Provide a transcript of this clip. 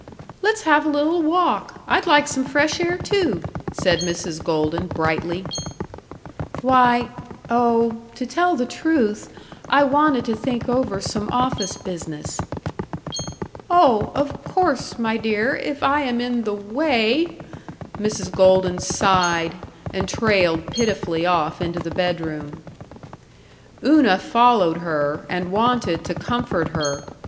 "Let's have a little walk. I'd like some fresh air, too," said Mrs. Golden, brightly. "Why oh to tell the truth, I wanted to think over some office business." "Oh, of course, my dear, if I am in the way !" Mrs. Golden sighed, and trailed pitifully off into the bedroom. Una followed her, and wanted to comfort her.